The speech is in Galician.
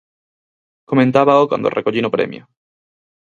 Comentábao cando recollín o premio.